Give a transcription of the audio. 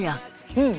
うん！